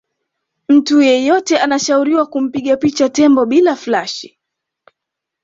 mtu yeyote anashauriwa kumpiga picha tembo bila flash